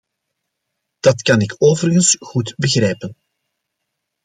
Dat kan ik overigens goed begrijpen.